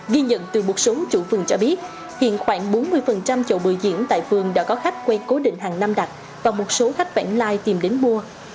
ghi nhận từ một số chủ vườn cho biết hiện khoảng bốn mươi chậu bữa diễn tại phường đã có khách quay cố định hàng năm đặt và một số khách vãn lai tìm đến mua